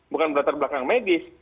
bukan berlatar belakang medis